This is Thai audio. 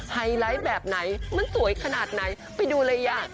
ไฮไลท์แบบไหนมันสวยขนาดไหนไปดูเลยอ่ะ